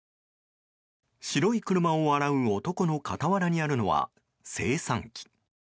白い車を洗う男の傍らにあるのは精算機。